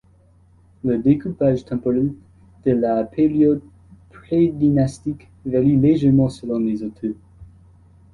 Le découpage temporel de la période prédynastique varie légèrement selon les auteurs.